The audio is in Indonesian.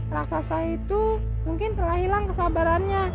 raksasa itu mungkin telah hilang kesabarannya